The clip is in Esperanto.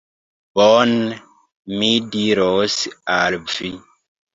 Bone, mi diros al vi.